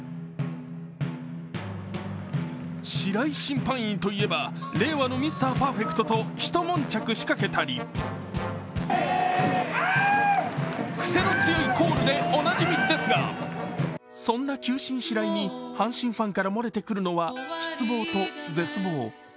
白井審判員といえば令和のミスターパーフェクトとひともんちゃくしかけたりクセの強いコールでおなじみですがそんな球審・白井に阪神ファンから漏れてくるのは失望と絶望。